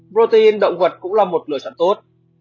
protein động vật cũng là một lựa chọn tốt